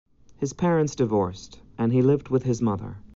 His parents divorced, and he lived with his mother.